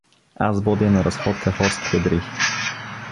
— Аз водя на разходка хорските дрехи.